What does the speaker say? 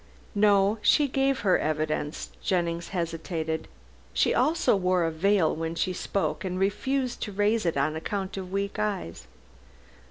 "No; she gave her evidence." Jennings hesitated. "She also wore a veil when she spoke, and refused to raise it on account of weak eyes.